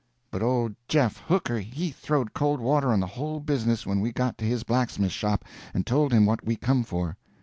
But Old Jeff Hooker he throwed cold water on the whole business when we got to his blacksmith shop and told him what we come for.